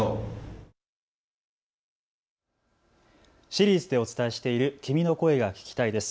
シリーズでお伝えしている君の声が聴きたいです。